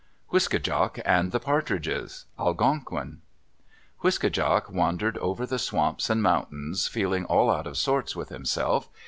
WISKE DJAK AND THE PARTRIDGES Algonquin Wiske djak wandered over the swamps and mountains feeling all out of sorts with himself.